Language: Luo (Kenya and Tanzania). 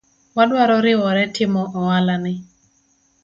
Wadwaro riwore timo oala ni